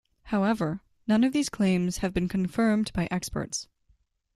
However, none of these claims have been confirmed by experts.